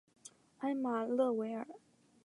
埃马勒维尔。